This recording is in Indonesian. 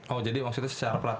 oh jadi maksudnya secara pelatihan